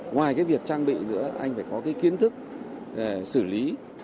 ngoài cái việc trang bị nữa anh phải có cái kiến thức xử lý